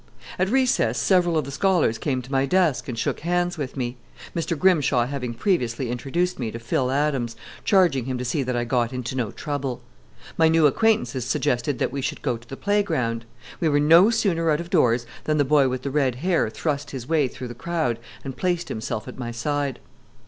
At recess several of the scholars came to my desk and shook hands with me, Mr. Grimshaw having previously introduced me to Phil Adams, charging him to see that I got into no trouble. My new acquaintances suggested that we should go to the playground. We were no sooner out of doors than the boy with the red hair thrust his way through the crowd and placed himself at my side.